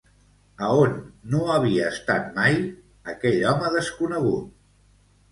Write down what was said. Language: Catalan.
A on no havia estat mai aquell home desconegut?